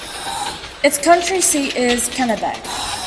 Its county seat is Kennebec.